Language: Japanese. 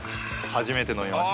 初めて飲みました。